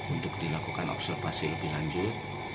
untuk dilakukan observasi lebih lanjut